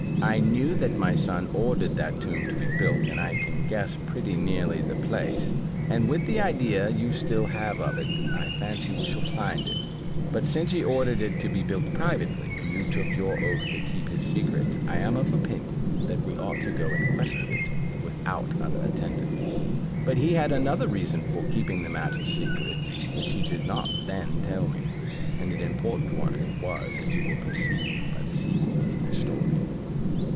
I knew that my son ordered that tomb to be built, and I can guess pretty nearly the place; and with the idea you still have of it, I fancy we shall find it: but since he ordered it to be built privately, and you took your oath to keep his secret, I am of opinion, that we ought to go in quest of it without other attendants." But he had another reason for keeping the matter secret, which he did not then tell me, and an important one it was, as you will perceive by the sequel of my story.